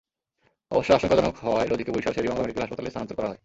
অবস্থা আশঙ্কাজনক হওয়ায় রোজিকে বরিশাল শের-ই-বাংলা মেডিকেল হাসপাতালে স্থানান্তর করা হয়।